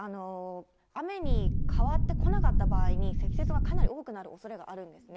雨に変わってこなかった場合に、積雪がかなり多くなるおそれがあるんですね。